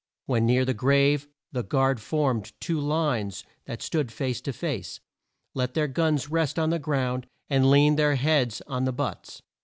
When near the grave the guard formed two lines that stood face to face, let their guns rest on the ground, and leaned their heads on the butts.